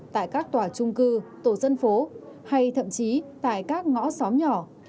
tại các tòa trung cư tổ dân phố hay thậm chí tại các ngõ xóm nhỏ